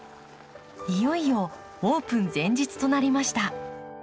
いよいよオープン前日となりました。